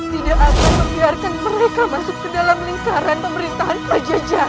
tidak akan membiarkan mereka masuk ke dalam lingkaran pemerintahan pajajar